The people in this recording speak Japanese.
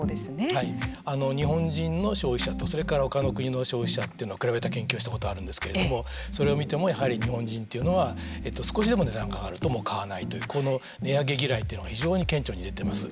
はい、日本人の消費者とそれから、ほかの国の消費者というのを比べた研究をしたことあるんですけれどもそれをみてもやはり日本人というのは少しでも値段が上がるともう買わないというこの値上げ嫌いというのが非常に顕著に出ています。